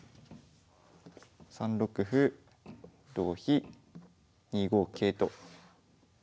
３六歩同飛２五桂と。